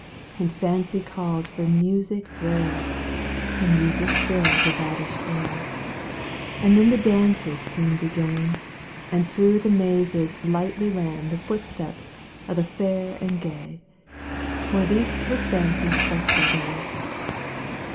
And Fancy called for music rare And music filled the ravished air. And then the dances soon began, And through the mazes lightly ran The footsteps of the fair and gay For this was Fancy's festal day.